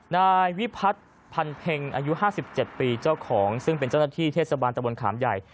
นายวิพัฒน์พันเพ็งอายุ๕๗ปีเจ้าของซึ่งเป็นเจ้าหน้าที่เทศบาลตะบนขามใหญ่